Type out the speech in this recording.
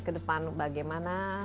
ke depan bagaimana